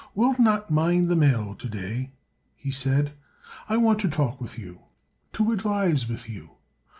"We'll not mind the mail to day," he said. "I want to talk with you; to advise with you.